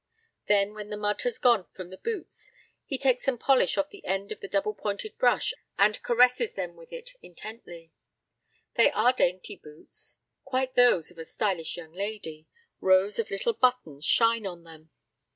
Then, when the mud has gone from the boots, he takes some polish on the end of the double pointed brush and caresses them with it intently. They are dainty boots quite those of a stylish young lady; rows of little buttons shine on them.